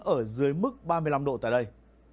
ở dưới mức ba mươi năm độ tại đây